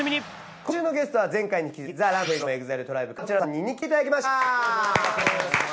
今週のゲストは前回に引き続きＴＨＥＲＡＭＰＡＧＥｆｒｏｍＥＸＩＬＥＴＲＩＢＥからこちらの３人に来ていただきました。